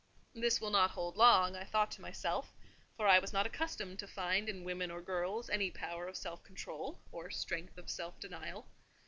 "This will not hold long," I thought to myself; for I was not accustomed to find in women or girls any power of self control, or strength of self denial.